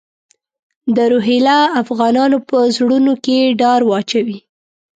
د روهیله افغانانو په زړونو کې ډار واچوي.